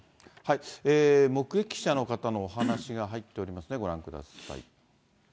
目撃者の方のお話が入っておりますのでご覧ください。